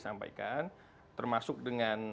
sampaikan termasuk dengan